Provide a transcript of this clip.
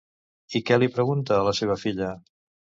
I què li pregunta a la seva filla?